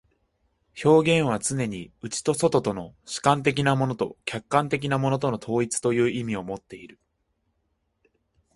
表現はつねに内と外との、主観的なものと客観的なものとの統一という意味をもっている。